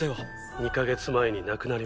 ２ヵ月前に亡くなりました。